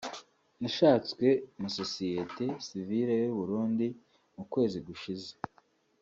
Nashatswe na sosiyete sivile y’u Burundi mu kwezi gushize